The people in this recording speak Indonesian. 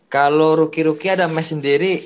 kalau ruki ruki ada mesh sendiri